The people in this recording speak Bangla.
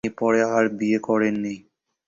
তিনি পরে আর বিয়ে করেন নি।